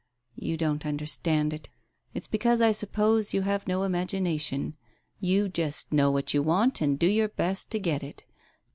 ... You don't understand it. It's because I suppose you have no imagination. You just know what you want and do your best to get it.